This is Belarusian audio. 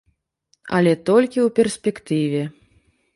Але толькі ў перспектыве.